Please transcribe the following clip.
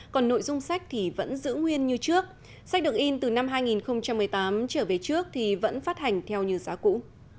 còn nội dung sách thì vẫn giữ nguyên như trước sách được in từ năm hai nghìn một mươi tám trở về trước thì vẫn phát hành theo như giá cũ